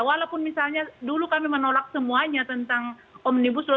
walaupun misalnya dulu kami menolak semuanya tentang omnibus law